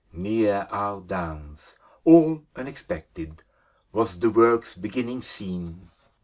Near our downs, all unexpected, Was the work's beginning seen.